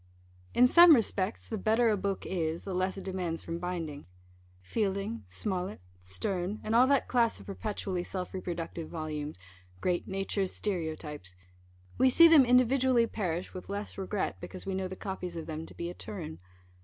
In some respects the better a book is, the less it demands from binding. Fielding, Smollet, Sterne, and all that class of perpetually self reproductive volumes Great Nature's Stereotypes we see them individually perish with less regret, because we know the copies of them to be "eterne."